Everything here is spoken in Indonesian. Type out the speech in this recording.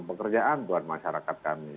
pekerjaan buat masyarakat kami